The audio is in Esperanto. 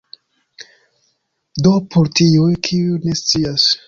Do por tiuj, kiuj ne scias